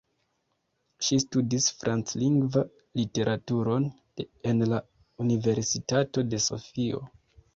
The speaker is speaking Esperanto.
Ŝi studis Franclingva literaturon en la Universitato de Sofio.